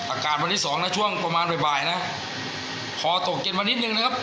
อากาศวันที่สองนะช่วงประมาณบ่ายนะพอตกเย็นมานิดนึงนะครับ